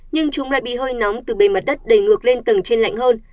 nhưng chúng lại bị hơi nóng từ bề mặt đất đầy ngược lên tầng trên lạnh hơn